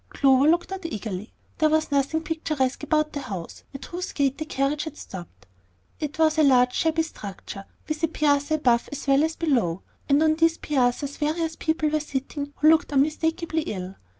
Clover looked out eagerly. There was nothing picturesque about the house at whose gate the carriage had stopped. It was a large shabby structure, with a piazza above as well as below, and on these piazzas various people were sitting who looked unmistakably ill.